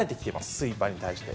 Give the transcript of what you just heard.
スイーパーに対して。